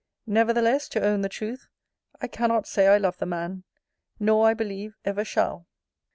Nevertheless, to own the truth, I cannot say I love the man: nor, I believe, ever shall.